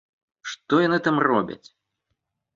Што яны там робяць?